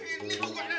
ini gua ga ada